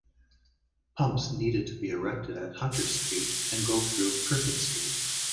Pumps needed to be erected at Hunter Street and go through Perkin Street.